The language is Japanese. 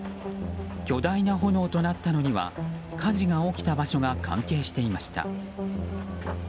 巨大な炎となったのには火事が起きた場所が関係していました。